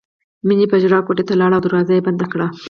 مینې په ژړا کوټې ته لاړه او دروازه یې بنده کړه